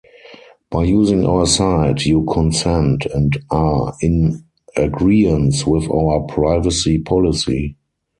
By using our site, you consent and are in agreeance with our privacy policy.